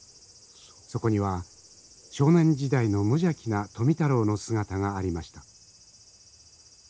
そこには少年時代の無邪気な富太郎の姿がありました。